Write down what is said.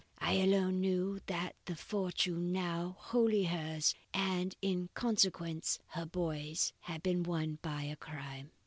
I alone knew that the fortune now wholly hers, and in consequence her boy's, had been won by a crime.